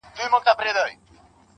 ورباندي وځړوې.